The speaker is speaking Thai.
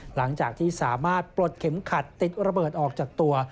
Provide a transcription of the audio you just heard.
หลังจากที่สามารถปลดเข็มขัดติดระเบิดออกจากตัว